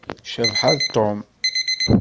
Cabḥa d Tom.